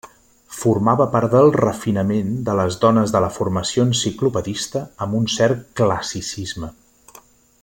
Formava part del refinament de les dones de la formació enciclopedista amb un cert classicisme.